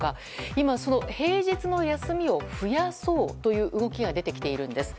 今、その平日の休みを増やそうという動きが出てきているんです。